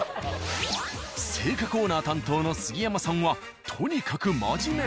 青果コーナー担当の杉山さんはとにかく真面目。